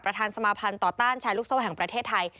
สมาภัณฑ์ต่อต้านแชร์ลูกโซ่แห่งประเทศไทย